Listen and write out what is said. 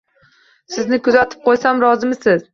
Sizni kuzatib qo'ysam, rozimisiz?